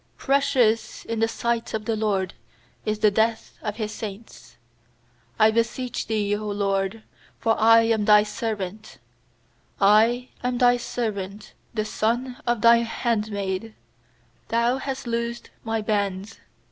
15Precious in the sight of the LORD Is the death of His saints. 16I beseech Thee, 0 LORD, for I am Thy servant; I am Thy servant, the son of Thy handmaid; Thou hast loosed my bands.